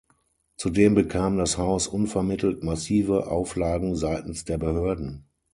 Zudem bekam das Haus unvermittelt massive Auflagen seitens der Behörden.